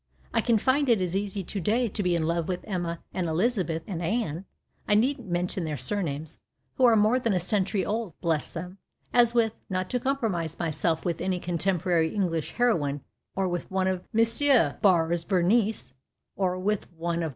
I can find it as easy to day to be in love with Emma and Elizabeth and Anne — I needn't mention their surnames — who are more than a century old, bless them, as with (not to compromise myself with any contemporary Englisli heroine) M. Barres's Berenice, or with one of M.